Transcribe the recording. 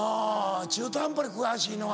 中途半端に詳しいのは。